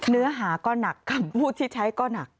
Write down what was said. เนื้อหาก็หนักคำพูดที่ใช้ก็หนัก